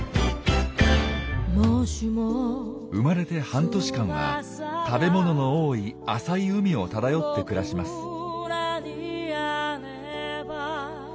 生まれて半年間は食べ物の多い浅い海を漂って暮らします。